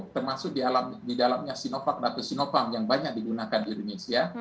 termasuk di dalamnya sinovac atau sinopharm yang banyak digunakan di indonesia